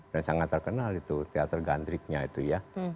dan sangat terkenal itu teater gantriknya itu ya